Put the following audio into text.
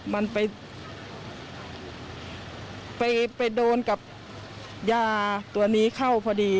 มันไปโดนกับยาตัวนี้เข้าพอดี